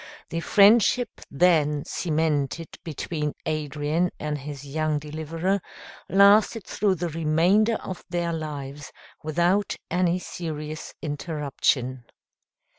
The friendship then cemented between Adrian and his young deliverer lasted through the remainder of their lives without any serious interruption.